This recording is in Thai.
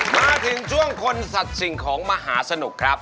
มาถึงช่วงคนสัตว์สิ่งของมหาสนุกครับ